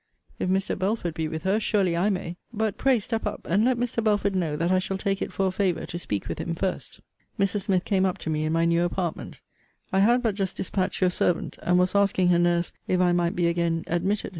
If Mr. Belford be with her, surely I may but pray step up, and let Mr. Belford know that I shall take it for a favour to speak with him first. Mrs. Smith came up to me in my new apartment. I had but just dispatched your servant, and was asking her nurse if I might be again admitted?